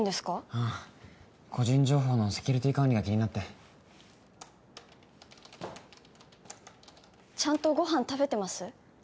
うん個人情報のセキュリティー管理が気になってちゃんとご飯食べてます？